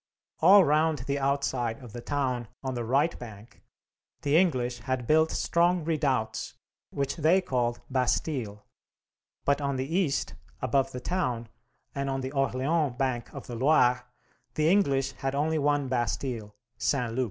All round the outside of the town, on the right bank, the English had built strong redoubts, which they called bastilles, but on the east, above the town, and on the Orleans bank of the Loire, the English had only one bastille, St. Loup.